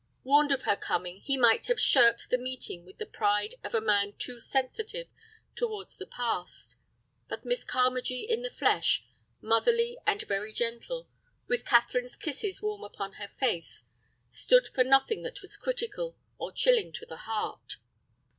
Warned of her coming, he might have shirked the meeting with the pride of a man too sensitive towards the past. But Miss Carmagee in the flesh, motherly and very gentle, with Catherine's kisses warm upon her face, stood for nothing that was critical, or chilling to the heart.